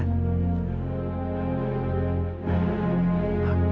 kalian ini siapanya